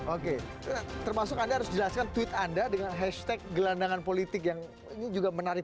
oke termasuk anda harus jelaskan tweet anda dengan hashtag gelandangan politik yang ini juga menarik